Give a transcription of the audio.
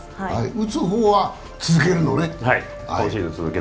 打つ方は続けるのね？